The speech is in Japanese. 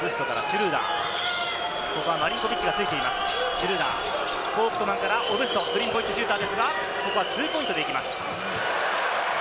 シュルーダー、フォウクトマンからオブスト、スリーポイントシューターですがツーポイントで行きます。